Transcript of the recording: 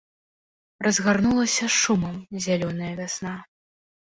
Разгарнулася шумам зялёная вясна.